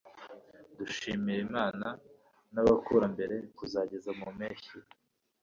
dushimira imana n'abakurambere kuzageza mu mpeshyi